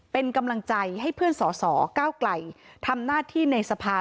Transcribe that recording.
เป็นกำลังใจให้เพื่อนสอสอก้าวไกลทำหน้าที่ในสภา